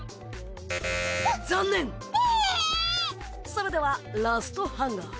それではラストハンガー。